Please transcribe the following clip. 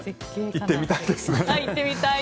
行ってみたいです。